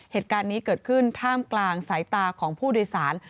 เหตุการณ์นี้เกิดขึ้นท่ามกลางสายตาของผู้โดยสาร